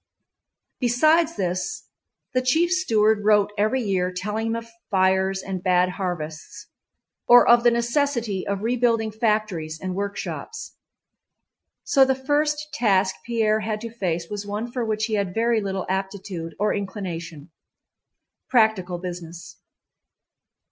Besides this the chief steward wrote every year telling him of fires and bad harvests, or of the necessity of rebuilding factories and workshops. So the first task Pierre had to face was one for which he had very little aptitude or inclination—practical business.